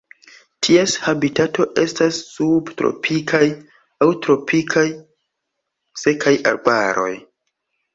Ties habitato estas subtropikaj aŭ tropikaj sekaj arbaroj.